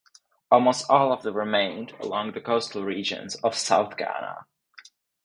Almost all of them remained along the coastal regions of South Ghana.